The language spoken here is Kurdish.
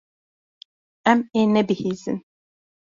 Em ê nebihîzin.